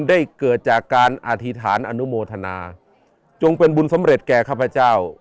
เกิดจากการอธิษฐานอนุโมทนาจงเป็นบุญสำเร็จแก่ข้าพเจ้า